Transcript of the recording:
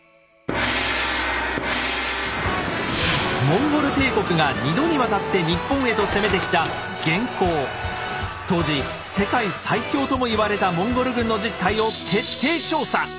モンゴル帝国が２度にわたって日本へと攻めてきた当時世界最強とも言われたモンゴル軍の実態を徹底調査！